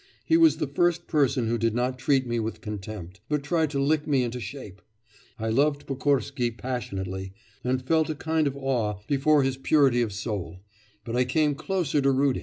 He was the first person who did not treat me with contempt, but tried to lick me into shape. I loved Pokorsky passionately, and felt a kind of awe before his purity of soul, but I came closer to Rudin.